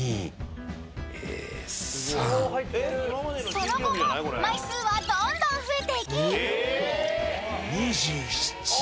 ［その後も枚数はどんどん増えていき］